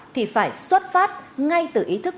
thì phải xuất phát ngay từ ý thức